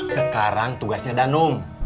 sekarang tugasnya danung